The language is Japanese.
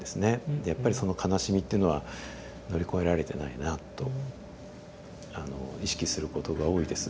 でやっぱりその悲しみっていうのは乗り越えられてないなとあの意識することが多いです。